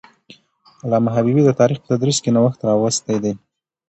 علامه حبيبي د تاریخ په تدریس کې نوښت راوستی دی.